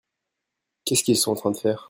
Qu'est-ce qu'ils sont en train de faire ?